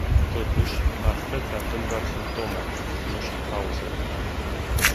Totuși, astfel tratăm doar simptomele, nu și cauzele.